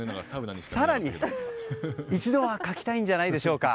更に、一度は書きたいんじゃないでしょうか。